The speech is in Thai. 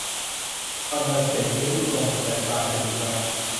วรรณสิงห์ นิ้วกลม สแตมป์ ตายสนิทครับ